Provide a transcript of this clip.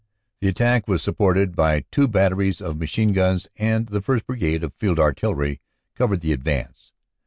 The attack was supported by two batteries of machine guns and the 1st. Brigade of Field Artillery covered the advance.